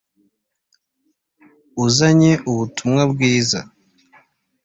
uzanye ubutumwa bwiza